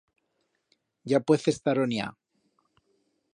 Ya puez estaroniar.